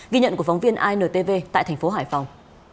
ghi nhận của phóng viên intv tại thành phố hải phòng